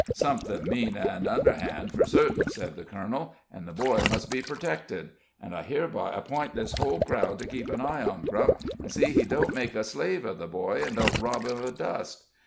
"Somethin' mean an' underhand, for certain," said the colonel, "and the boy must be purtected. And I hereby app'int this whole crowd to keep an eye on Grump, an' see he don't make a slave of the boy, an' don't rob him of dust.